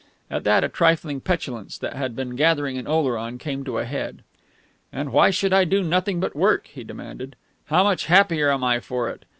At that a trifling petulance that had been gathering in Oleron came to a head. "And why should I do nothing but work?" he demanded. "How much happier am I for it?